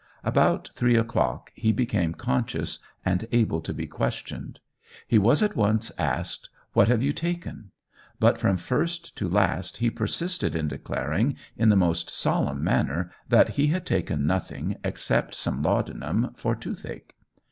About three o'clock he became conscious and able to be questioned. He was at once asked, "What have you taken?" But from first to last he persisted in declaring, in the most solemn manner, that he had taken nothing except some laudanum for toothache.